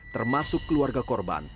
termasuk keluarga korban